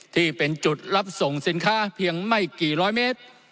ที่เป็นจุดรับส่งสินค้าเพียงไม่กี่ร้อยเมตร